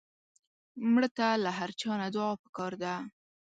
مړه ته له هر چا نه دعا پکار ده